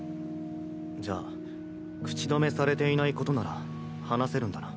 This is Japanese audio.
じゃあ口止めされていないことなら話せるんだな？